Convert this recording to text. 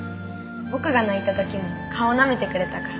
僕が泣いた時も顔をなめてくれたから。